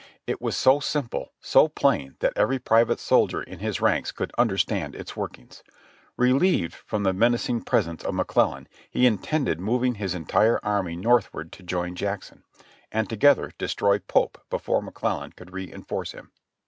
It was so simple, so plain that every private soldier in his ranks could understand its workings. Relieved from the menacing presence of McClellan, he intended moving his entire army northward to join Jackson, and together destroy Pope before McClellan could reinforce him.